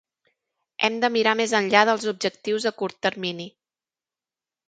Hem de mirar més enllà dels objectius a curt termini.